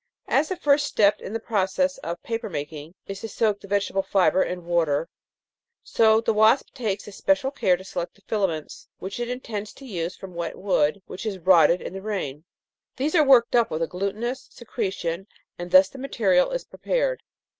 As the first step in the process of paper making is to soak the vegetable fibre in water, so the wasp takes especial care to select the filaments which it intends to use from wet wood which has rotted hi the rain. These are worked up with a glutinous secretion, and thus the material is prepared.